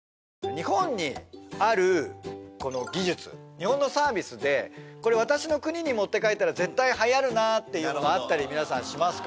日本のサービスでこれ私の国に持って帰ったら絶対はやるなっていうのがあったり皆さんしますか？